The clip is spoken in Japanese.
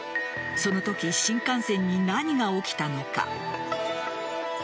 そのとき新幹線に何が起きたのか。